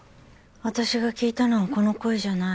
私が聞いたのはこの声じゃない。